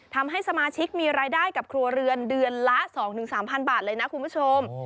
ทำให้สมาชิกมีรายได้กับครัวเรือนเดือนละ๒๓๐๐บาทเลยนะคุณผู้ชม